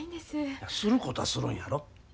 することはするんやろ？